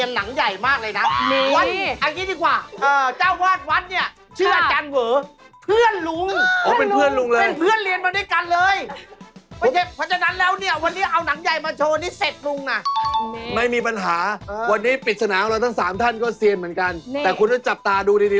เฮ้ยอย่าบอกนะว่าวันนี้มีการโชว์หนังใหญ่